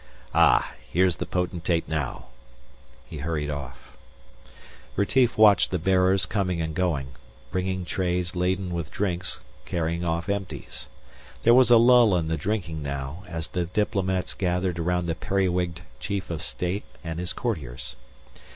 "Ah, here's the Potentate now!" He hurried off. Retief watched the bearers coming and going, bringing trays laden with drinks, carrying off empties. There was a lull in the drinking now, as the diplomats gathered around the periwigged Chief of State and his courtiers.